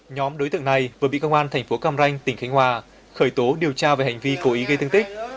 nhóm đối tượng này vừa bị công an thành phố cam ranh tỉnh khánh hòa khởi tố điều tra về hành vi cố ý gây thương tích